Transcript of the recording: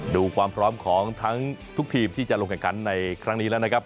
ดูความพร้อมของทั้งทุกทีมที่จะลงแข่งขันในครั้งนี้แล้วนะครับ